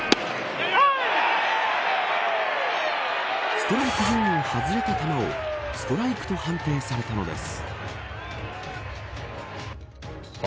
ストライクゾーンを外れた球をストライクと判定されたのです。